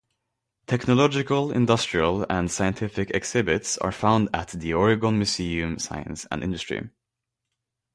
Technological, industrial, and scientific exhibits are found at the Oregon Museum Science and Industry.